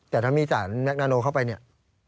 แต่ถ้ามีสารแคนโนเข้าไปเนี่ย